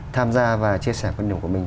tham gia và chia sẻ quan điểm của mình